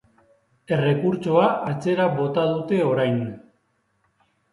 Errekurtsoa atzera bota dute orain.